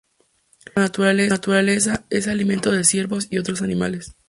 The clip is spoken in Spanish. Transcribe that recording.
En la naturaleza es alimento de ciervos y otros animales.